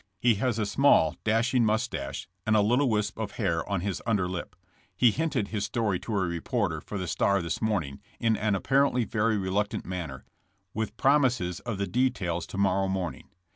He has a small, dashing mustache, and a little wisp of hair on his under lip. He hinted his story to a reporter for The Star this morning in an apparently very reluctant manner, with promises of the details to morrow morning.